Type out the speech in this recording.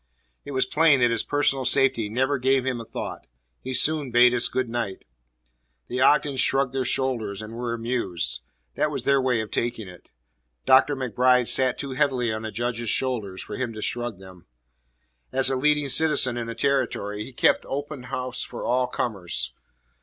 It was plain that his personal safety never gave him a thought. He soon bade us good night. The Ogdens shrugged their shoulders and were amused. That was their way of taking it. Dr. MacBride sat too heavily on the Judge's shoulders for him to shrug them. As a leading citizen in the Territory he kept open house for all comers.